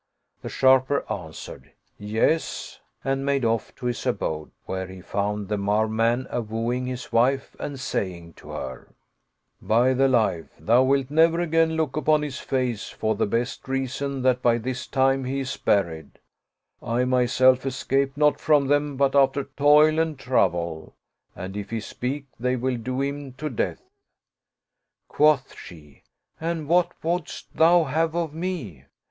The sharper answered, " Yes," and made off to his abode, where he found the Marw man a wooing his wife and say ing to her, " By thy life, thou wilt never again look upon his face for the best reason that by this time he is buried : I myself escaped not from them but after toil and trouble, and if he speak, they will do him to death." Quoth she, " And what wouldst thou have of me?